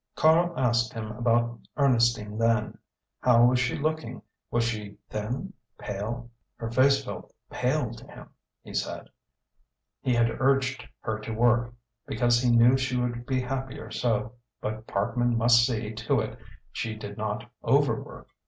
Karl asked him about Ernestine then. How was she looking; was she thin pale? Her face felt pale to him, he said. He had urged her to work, because he knew she would be happier so, but Parkman must see to it she did not overwork.